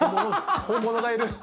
本物がいる。